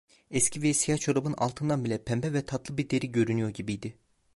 Eski ve siyah çorabın altından bile pembe ve tatlı bir deri görünüyor gibiydi.